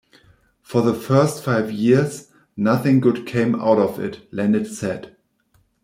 "For the first five years, nothing good came out of it", Lenat said.